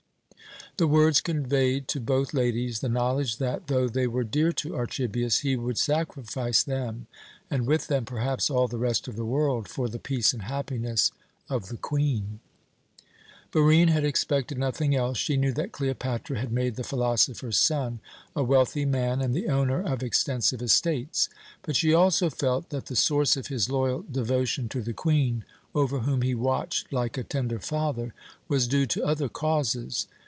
The words conveyed to both ladies the knowledge that, though they were dear to Archibius, he would sacrifice them, and with them, perhaps, all the rest of the world, for the peace and happiness of the Queen. Barine had expected nothing else. She knew that Cleopatra had made the philosopher's son a wealthy man and the owner of extensive estates; but she also felt that the source of his loyal devotion to the Queen, over whom he watched like a tender father, was due to other causes.